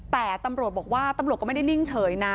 แต่ตำรวจบอกว่าตำรวจก็ไม่ได้นิ่งเฉยนะ